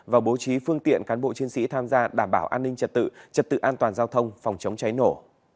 và bố trí phương tiện cán bộ chiến sĩ tham gia đảm bảo an ninh trật tự trật tự an toàn giao thông phòng chống cháy nổ